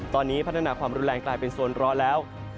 ตอนนี้พัฒนาความรุนแรงกลายเป็นโซนร้อนแล้ว